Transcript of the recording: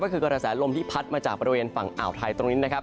ก็คือกระแสลมที่พัดมาจากบริเวณฝั่งอ่าวไทยตรงนี้นะครับ